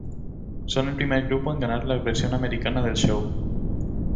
Son el primer grupo en ganar la versión americana del show.